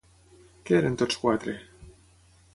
Què eren tots quatre?